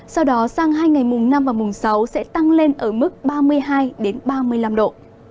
sau đó sang hai ngày mùng năm và mùng sáu sẽ tăng lên ở mức ba mươi hai ba mươi năm độ